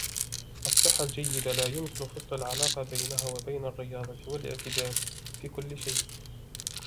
الصحة الجيدة لا يمكن فصل العلاقة بينها وبين الرياضة والاعتدال في كل شيء.